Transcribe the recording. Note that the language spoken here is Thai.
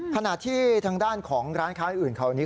ขณะที่ทางด้านของร้านค้าอื่นคราวนี้